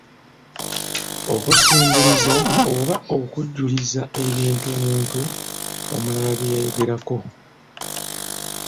Okusimbuliza oba okujuliza ku bintu omuntu omulala bye yayogerako.